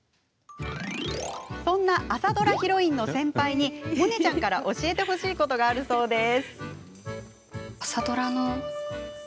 そんな朝ドラヒロインの先輩にモネちゃんから教えてほしいことがあるそうです。